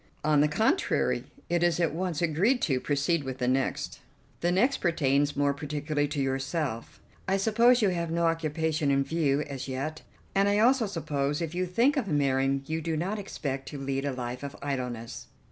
"On the contrary, it is at once agreed to. Proceed with the next." "The next pertains more particularly to yourself. I suppose you have no occupation in view as yet, and I also suppose, if you think of marrying, you do not expect to lead a life of idleness."